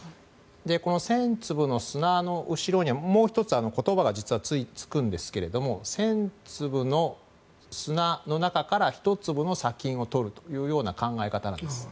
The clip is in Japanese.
千粒の砂の後ろにはもう１つ言葉がつくんですが千粒の砂の中から１粒の砂金を取るという考え方なんです。